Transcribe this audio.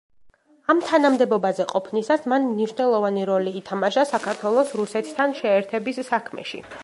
ამ თანამდებობაზე ყოფნისას მან მნიშვნელოვანი როლი ითამაშა საქართველოს რუსეთთან შეერთების საქმეში.